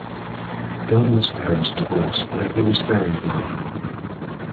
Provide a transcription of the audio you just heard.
Gardner's parents divorced when he was very young.